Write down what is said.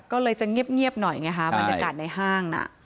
ก็เลยจะเงียบหน่อยไงฮะบรรยากาศในห้างน่ะ